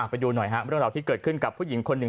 ไปดูหน่อยเรื่องราวที่เกิดขึ้นกับผู้หญิงคนหนึ่ง